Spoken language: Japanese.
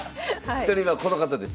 １人目はこの方です。